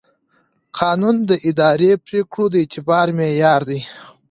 قانون د اداري پرېکړو د اعتبار معیار دی.